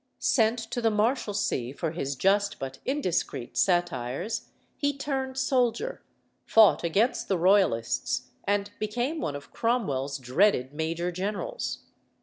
Sent to the Marshalsea for his just but indiscreet satires, he turned soldier, fought against the Royalists, and became one of Cromwell's dreaded major generals.